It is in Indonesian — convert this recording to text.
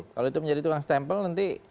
kalau itu menjadi tukang stempel nanti